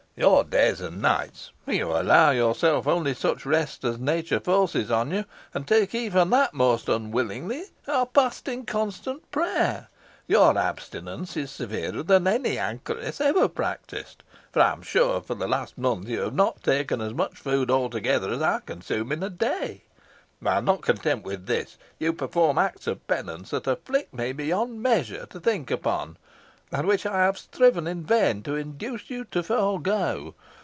Your days and nights for you allow yourself only such rest as nature forces on you, and take even that most unwillingly are passed in constant prayer. Your abstinence is severer than any anchoress ever practised, for I am sure for the last month you have not taken as much food altogether as I consume in a day; while, not content with this, you perform acts of penance that afflict me beyond measure to think upon, and which I have striven in vain to induce you to forego.